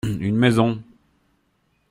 Une maison.